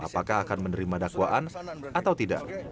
apakah akan menerima dakwaan atau tidak